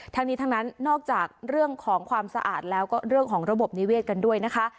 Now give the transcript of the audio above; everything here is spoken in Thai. ทั้งนี้ทั้งนั้นนอกจากเรื่องของความสะอาดแล้วก็เรื่องของระบบนิเวศกันด้วยนะคะ